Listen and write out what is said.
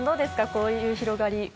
こういう広がり。